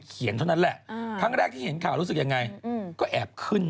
เท่านั้นแหละครั้งแรกที่เห็นข่าวรู้สึกยังไงก็แอบขึ้น